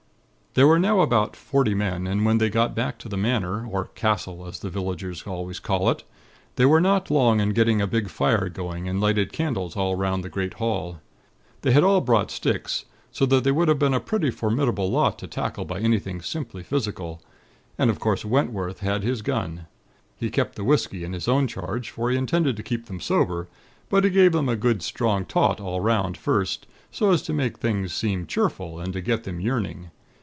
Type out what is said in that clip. "There were now about forty men, and when they got back to the Manor or castle as the villagers always call it they were not long in getting a big fire going, and lighted candles all 'round the great hall. They had all brought sticks; so that they would have been a pretty formidable lot to tackle by anything simply physical; and, of course, Wentworth had his gun. He kept the whisky in his own charge; for he intended to keep them sober; but he gave them a good strong tot all 'round first, so as to make things seem cheerful; and to get them yearning.